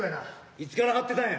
いつから張ってたんや？